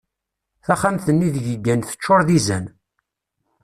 Taxxamt-nni ideg yeggan teččur d izan.